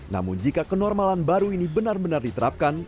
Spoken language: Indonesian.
namun jika kenormalan baru ini benar benar diterapkan